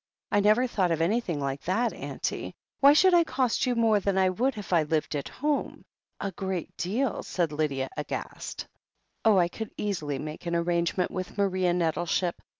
I never thought of anything like that, auntie. Why, I should cost you more than I would if I lived at home, a great deal," said Lydia, aghast. "Oh, I could easily make an arrangement with Maria Nettleship.